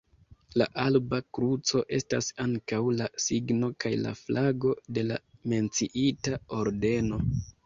La alba kruco estas ankaŭ la signo kaj la flago de la menciita ordeno.